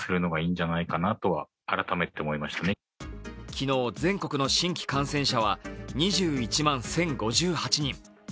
昨日、全国の新規感染者は２１万１０５８人。